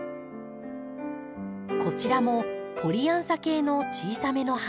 こちらもポリアンサ系の小さめの花。